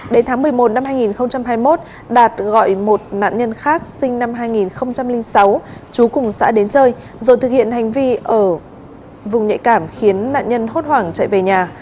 đến tháng một mươi một năm hai nghìn hai mươi một đạt gọi một nạn nhân khác sinh năm hai nghìn sáu chú cùng xã đến chơi rồi thực hiện hành vi ở vùng nhạy cảm khiến nạn nhân hốt hoảng chạy về nhà